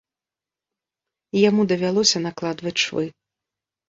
Яму давялося накладваць швы.